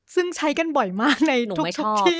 ซึ่งใช้กันบ่อยมากในทุกที่